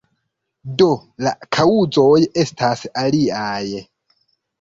Do, la kaŭzoj estas aliaj.